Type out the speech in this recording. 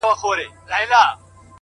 اے دَ مستۍ جامه دغه ستا دَ ماتېدو دے وخت